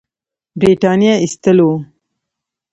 برټانیې ایستل وو.